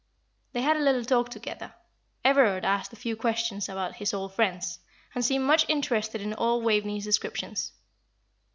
They had a little talk together. Everard asked a few questions about his old friends, and seemed much interested in all Waveney's descriptions.